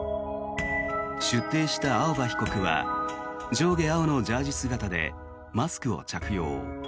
出廷した青葉被告は上下青のジャージー姿でマスクを着用。